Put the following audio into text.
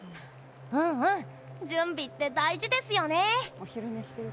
うんうん、準備って大事ですよね。